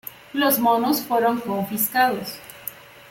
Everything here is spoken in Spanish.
Los monos fueron confiscados.